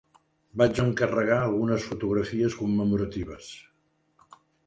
Vaig encarregar algunes fotografies commemoratives.